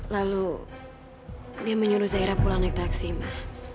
lalu dia menyuruh zaira pulang naik taksi ma